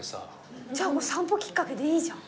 じゃあお散歩きっかけでいいじゃん。